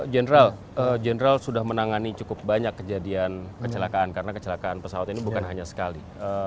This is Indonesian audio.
general general sudah menangani cukup banyak kejadian kecelakaan karena kecelakaan pesawat ini bukan hanya sekali